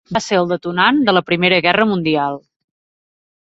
Va ser el detonant de la Primera Guerra Mundial.